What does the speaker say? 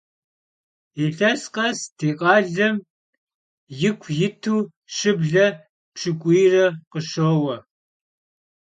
Yilhes khes di khalem yiku yitu şıble pş'ık'uyre khışoue.